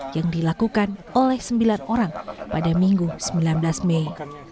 yang dilakukan oleh sembilan orang pada minggu sembilan belas mei